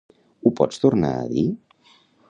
Ho pots tornar a dir?